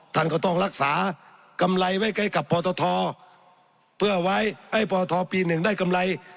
ท่านก็ต้องรักษากำไรไว้ใกล้กับพตทเพื่อไว้ให้พทปี๑ได้กำไร